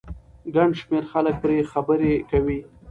ګن شمېر خلک پرې خبرې کوي